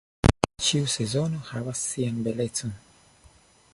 Ĉiu sezono havas sian belecon.